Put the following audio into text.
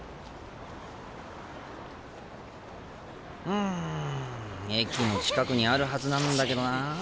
うん駅の近くにあるはずなんだけどな。